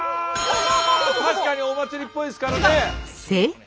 確かにお祭りっぽいですからね。